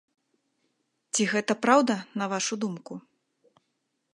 Ці гэта праўда, на вашу думку?